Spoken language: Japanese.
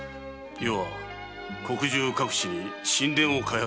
余は国中各地に新田を開発しておる。